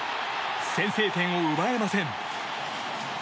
先制点を奪えません。